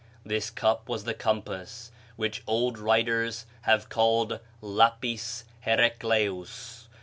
This cup was the compass, which old writers have called Lapis Heracleus.